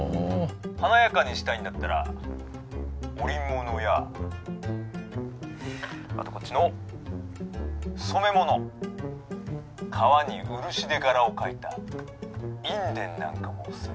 「華やかにしたいんだったら織物やあとこっちの染め物革に漆で柄を描いた印伝なんかもおすすめさ」。